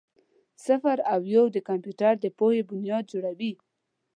صفر او یو د کمپیوټر د پوهې بنیاد جوړوي.